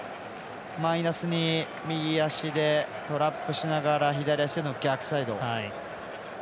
マイナスに右足でトラップしながら左足での逆サイド。